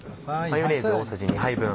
マヨネーズ大さじ２杯分。